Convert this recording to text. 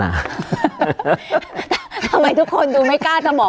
การแสดงความคิดเห็น